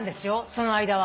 その間は。